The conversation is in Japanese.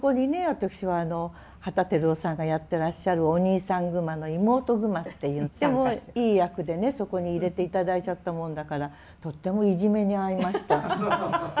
私は旗照夫さんがやってらっしゃるお兄さんグマの妹グマっていうとってもいい役でねそこに入れて頂いちゃったもんだからとってもいじめに遭いました。